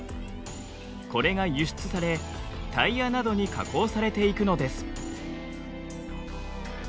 これが輸出されタイヤなどに加工されていくのです。